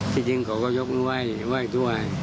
ทีนึงก็ก็ยกมือไหว้อ่ะ